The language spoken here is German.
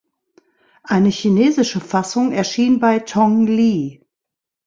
Eine chinesische Fassung erschien bei Tong Li.